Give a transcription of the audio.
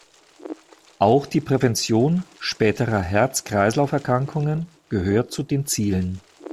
Auch die Prävention späterer Herz- Kreislauferkrankungen gehört zu den Zielen.